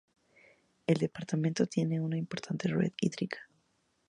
El departamento tiene una importante red hídrica.